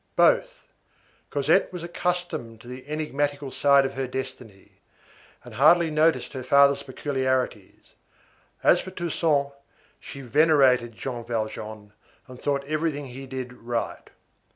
Both. Cosette was accustomed to the enigmatical side of her destiny, and hardly noticed her father's peculiarities. As for Toussaint, she venerated Jean Valjean, and thought everything he did right.